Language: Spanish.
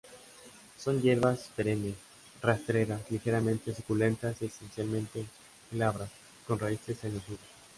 Son hierbas perennes, rastreras, ligeramente suculentas y esencialmente glabras, con raíces en los nudos.